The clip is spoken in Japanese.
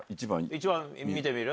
１番見てみる？